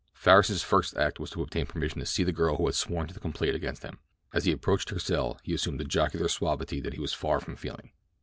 Farris's first act was to obtain permission to see the girl who had sworn to the complaint against him. As he approached her cell he assumed a jocular suavity that he was far from feeling.